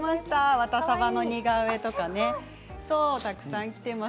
「ワタサバ」の似顔絵とかねたくさんきています。